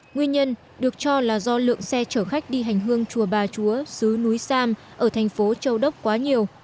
nguyên nhân được cho là do lượng xe chở khách đi hành hương chùa bà chúa sứ núi sam ở thành phố châu đốc quá nhiều